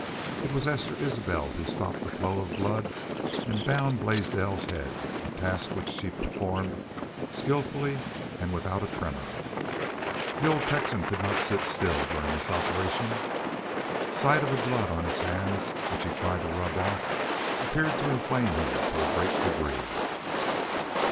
It was Esther Isbel who stopped the flow of blood and bound Blaisdell's head, a task which she performed skillfully and without a tremor. The old Texan could not sit still during this operation. Sight of the blood on his hands, which he tried to rub off, appeared to inflame him to a great degree.